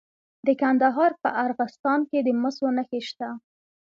د کندهار په ارغستان کې د مسو نښې شته.